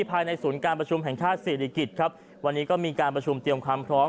ภายในศูนย์การประชุมแห่งชาติศิริกิจครับวันนี้ก็มีการประชุมเตรียมความพร้อม